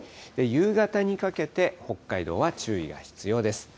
夕方にかけて北海道は注意が必要です。